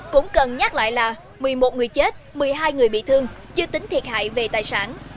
cũng cần nhắc lại là một mươi một người chết một mươi hai người bị thương chưa tính thiệt hại về tài sản